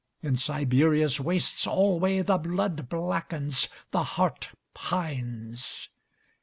In Siberia's wastes alwayThe blood blackens, the heart pines.